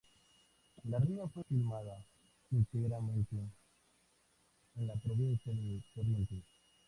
La Riña fue filmada íntegramente en la provincia de Corrientes.